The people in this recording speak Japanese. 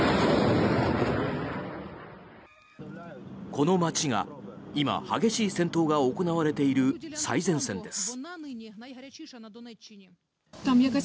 この街が今激しい戦闘が行われている最前線です。